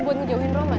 buat ngejauhin roman